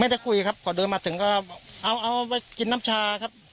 ได้คุยครับพอเดินมาถึงก็เอาเอาไปกินน้ำชาครับ